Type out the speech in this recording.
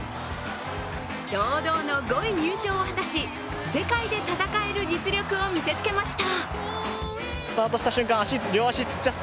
堂々の５位入賞を果たし世界で戦える実力を見せつけました。